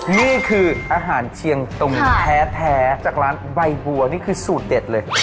นี่คืออาหารเชียงตุงแท้จากร้านใบบัวนี่คือสูตรเด็ดเลย